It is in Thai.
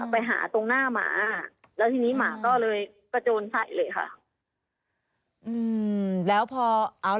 ไปหาตรงหน้าหมาแล้วทีนี้หมาก็เลยกระโจนใส่เลยค่ะ